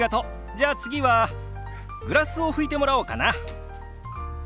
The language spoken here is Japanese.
じゃあ次はグラスを拭いてもらおうかな。